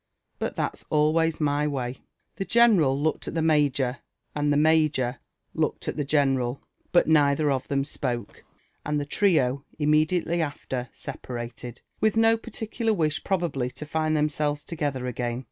But that's always my way," The general looked at the major, and Ihe major looked at the gene tOS LIFE AND ADVBNItJRES OF ral, but neither of Ihem spoke ; and Iho trio immedialely after 8ep»*^ rated, with no parlicutar wish probably lo find Ibemjselvestogi'nier again.